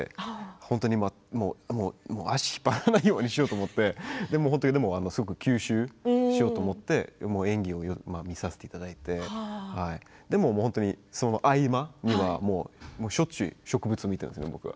本当に足を引っ張らないようにしようと思って本当に吸収しようと思って演技を見させていただいてでもその合間にはしょっちゅう植物を見ていて僕は。